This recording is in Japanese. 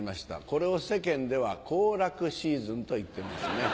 これを世間ではコウラクシーズンと言ってます。